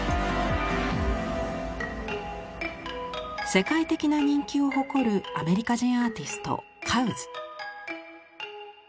世界的な人気を誇るアメリカ人アーティストカウズ。